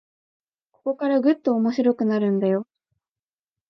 ここからぐっと面白くなるんだよ